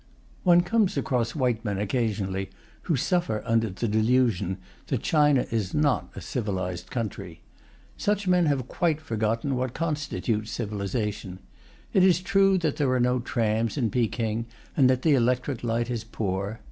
One comes across white men occasionally who suffer under the delusion that China is not a civilized country. Such men have quite forgotten what constitutes civilization. It is true that there are no trams in Peking, and that the electric light is poor.